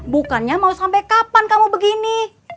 bukannya mau sampai kapan kamu begini